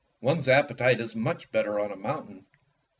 One's appetite is much better on a mountain."